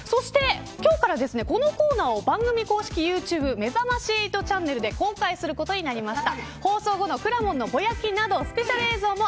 今日からこのコーナーを番組公式ユーチューブめざまし８チャンネルで公開することになりました。